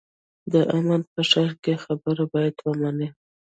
د امن په ښار کې خبره باید ومنې.